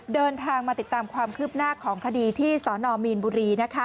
เดินทางมาติดตามความคืบหน้าของคดีที่สนมีนบุรี